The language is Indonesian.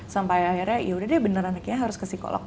sampai akhirnya ya udah deh beneran akhirnya harus ke psikolog